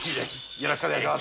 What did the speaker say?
よろしくお願いします。